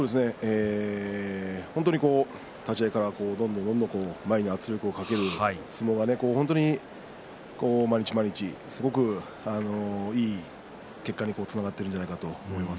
本当に立ち合いからどんどんどんどん前に圧力をかける相撲が、毎日毎日すごくいい結果につながっているんじゃないかと思います。